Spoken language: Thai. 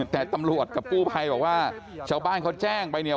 แต่ตำรวจกับกู้ภัยบอกว่าชาวบ้านเขาแจ้งไปเนี่ย